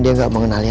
dia gak mengenali aku